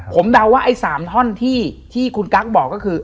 ผมเดาว่าไอ้๓ท่อนที่คุณกั๊กบอกก็คือ